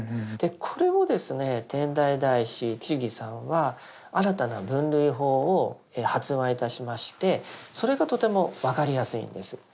これをですね天台大師智さんは新たな分類法を発案いたしましてそれがとても分かりやすいんです。